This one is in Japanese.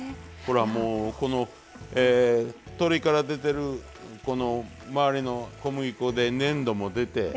ほらもうこの鶏から出てる周りの小麦粉で粘度も出て。